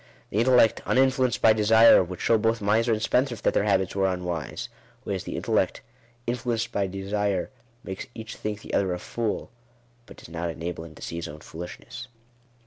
The intellect, uninfluenced by desire, would show both miser and spendthrift that their habits were unwise; whereas the intellect, influenced by desire, makes each think the other a fool, but does not enable him to see his own foolishness.